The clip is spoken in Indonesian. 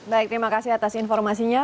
baik terima kasih atas informasinya